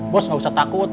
bos gak usah takut